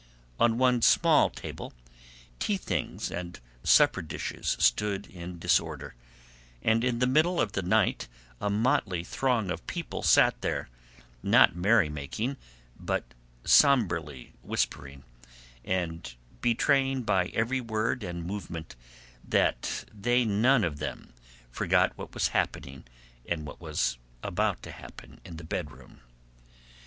On one small table tea things and supper dishes stood in disorder, and in the middle of the night a motley throng of people sat there, not merrymaking, but somberly whispering, and betraying by every word and movement that they none of them forgot what was happening and what was about to happen in the bedroom.